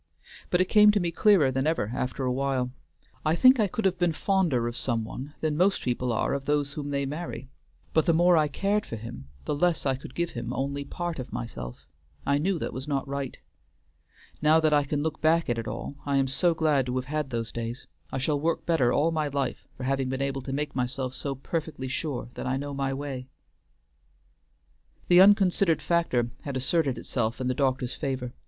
But it came to me clearer than ever after a while. I think I could have been fonder of some one than most people are of those whom they marry, but the more I cared for him the less I could give him only part of myself; I knew that was not right. Now that I can look back at it all I am so glad to have had those days; I shall work better all my life for having been able to make myself so perfectly sure that I know my way." The unconsidered factor had asserted itself in the doctor's favor.